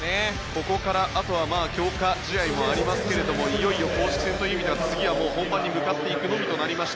ここからあとは強化試合もありますけれどいよいよ公式戦という意味では次は本番に向かっていくのみとなりました。